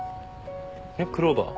えっクローバー？